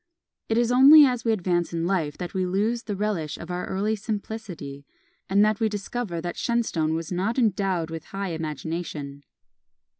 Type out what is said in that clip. It is only as we advance in life that we lose the relish of our early simplicity, and that we discover that Shenstone was not endowed with high imagination.